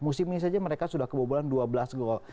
musim ini saja mereka sudah kebobolan dua belas gol